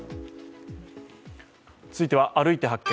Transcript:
続いては、「歩いて発見！